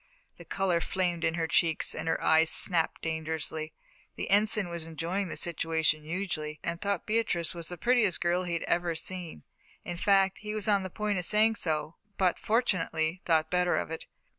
The colour flamed in her cheeks, and her eyes snapped dangerously. The Ensign was enjoying the situation hugely, and thought Beatrice was the prettiest girl he had ever seen. In fact, he was on the point of saying so, but, fortunately, thought better of it.